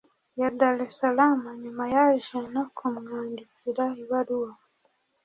ya Dar es Salaam, nyuma yaje no kumwandikira ibaruwa